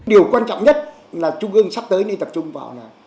điều quan trọng nhất là trung ương sắp tới nên tập trung vào là